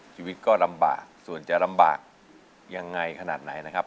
ชีวิตก็ลำบากส่วนจะลำบากยังไงขนาดไหนนะครับ